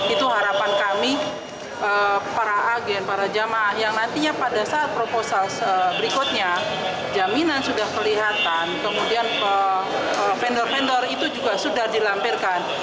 itu harapan kami para agen para jemaah yang nantinya pada saat proposal berikutnya jaminan sudah kelihatan kemudian vendor vendor itu juga sudah dilampirkan